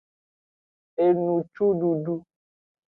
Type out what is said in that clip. Enusududu.